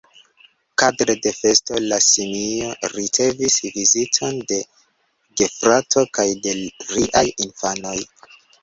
Kadre de festo, la simio ricevis viziton de gefrato kaj de riaj infanoj.